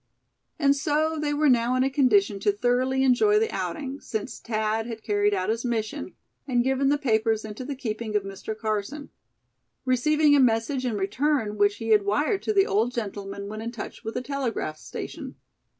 And so they were now in a condition to thoroughly enjoy the outing, since Thad had carried out his mission, and given the papers into the keeping of Mr. Carson; receiving a message in return which he had wired to the old gentleman when in touch with a telegraph station.